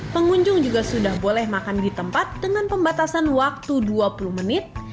pengunjung juga sudah boleh makan di tempat dengan pembatasan waktu dua puluh menit